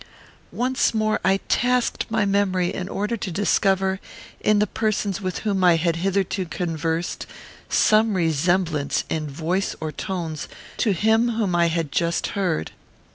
Once more I tasked memory in order to discover, in the persons with whom I had hitherto conversed, some resemblance, in voice or tones, to him whom I had just heard.